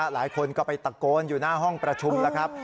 หลายคนก็ไปตะโกนอยู่หน้าห้องประชุมแล้วครับ